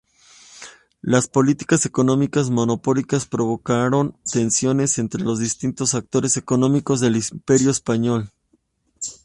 Las políticas económicas monopólicas provocaron tensiones entre los distintos actores económicos del Imperio Español.